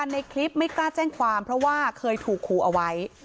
ในคลิปไม่กล้าแจ้งความเพราะว่าเคยถูกขู่เอาไว้